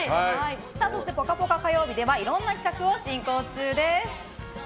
そして「ぽかぽか」火曜日ではいろんな企画を進行中です。